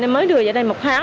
em mới đưa về đây một tháng